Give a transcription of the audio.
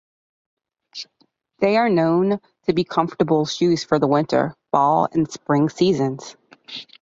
They are known to be comfortable shoes for the winter, fall and spring seasons.